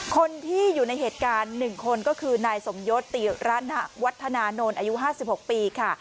คนที่อยู่ในเหตุการณ์๑คนก็คือนายสมยศติระนวัฒนานนท์อายุ๕๖ปีค่ะ